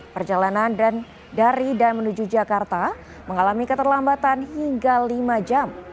perjalanan dari dan menuju jakarta mengalami keterlambatan hingga lima jam